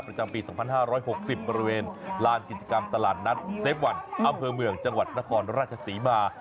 ประจำปี๒๕๖๐บริเวณลานกิจกรรมตลาดนัดเซฟวันอำเภอเมืองจังหวัดนครราชศรีมา